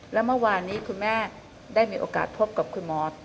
แล้วเมื่อวานนี้คุณแม่ได้มีโอกาสพบกับคุณมอส